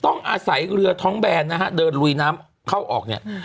ต้องอาศัยเรือท้องแบนนะฮะเดินลุยน้ำเข้าออกเนี่ย